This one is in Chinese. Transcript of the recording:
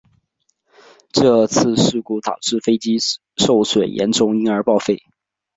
这次事故导致飞机受损严重因而报废。